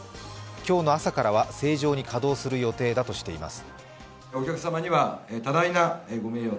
今日の朝からは正常に稼働する予定だとしています。